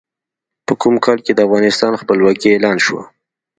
په کوم کال کې د افغانستان خپلواکي اعلان شوه؟